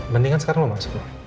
mendingan sekarang lo masuk lah